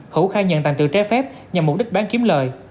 hữu khai nhận tàn tựu trái phép nhằm mục đích bán kiếm lời